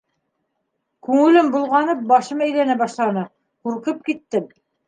Күңелем болғанып, башым әйләнә башланы, ҡурҡып киттем.